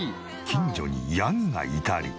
近所にヤギがいたり。